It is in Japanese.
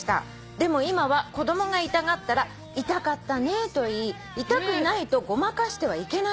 「でも今は子供が痛がったら『痛かったね』と言い痛くないとごまかしてはいけないそうです」